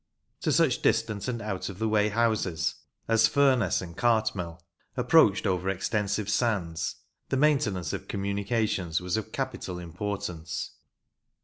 To such distant and out of the way houses as Furness and Cartmel, approached over extensive sands, the maintenance of communications was of capital importance.